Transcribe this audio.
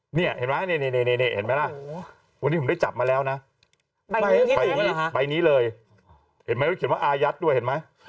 เห็นมะวันนี้ผมได้จับมาแล้วนะใบนี้เลยเห็นไม่เขียนว่าอายัตซ์ด้วยเห็นมะ